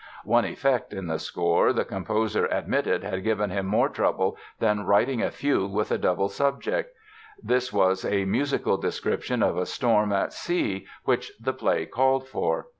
One effect in the score the composer admitted had given him more trouble than "writing a fugue with a double subject." This was a musical description of a storm at sea which the play called for.